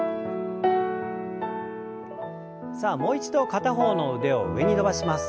さあもう一度片方の腕を上に伸ばします。